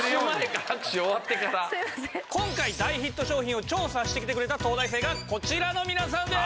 今回大ヒット商品を調査してきてくれた東大生がこちらの皆さんです！